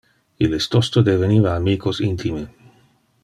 Illes tosto deveniva amicos intime.